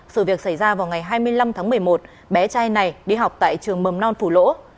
sự việc xảy ra vào ngày hai mươi năm tháng một mươi một bé trai này đi học tại trường mầm non phù lỗ